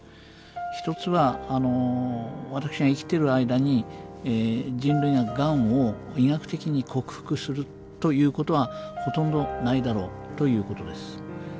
１つは私が生きてる間に人類ががんを医学的に克服するということはほとんどないだろうということです。